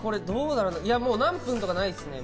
何分とかないっすね。